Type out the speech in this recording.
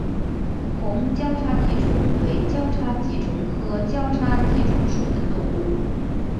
红交叉棘虫为交叉棘虫科交叉棘虫属的动物。